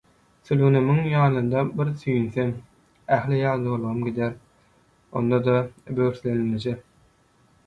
– Sülgünimiň ýanynda bir süýnsem, ähli ýadawlygym gider, onda-da böwürslenlije.